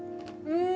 うん！